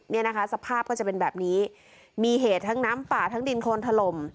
เนี่ยนะคะสภาพก็จะเป็นแบบนี้มีเหตุทั้งน้ำป่าทั้งดินโคนถล่ม